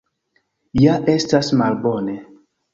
Ja estas malbone!